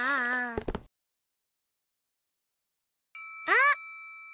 あっ！